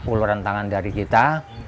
uluran tangan dari kita